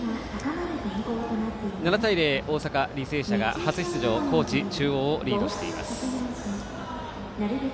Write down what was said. ７対０、大阪、履正社が初出場、高知中央をリードしています。